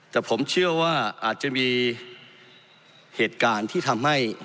แต่ผมเชื่อว่าอาจจะมีเหตุการณ์ที่ทำให้